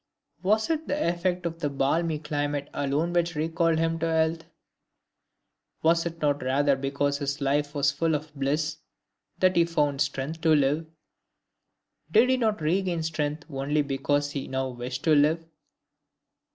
Was it the effect of the balmy climate alone which recalled him to health? Was it not rather because his life was full of bliss that he found strength to live? Did he not regain strength only because he now wished to live?